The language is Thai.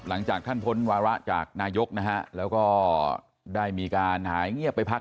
หลังจากท่านพ้นวาระจากนายกนะฮะแล้วก็ได้มีการหายเงียบไปพัก